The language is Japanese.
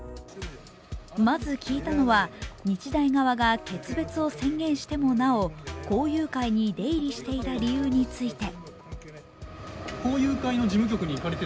まず聞いたのは、日大側が決別を宣言してもなお、校友会に出入りしていた理由について。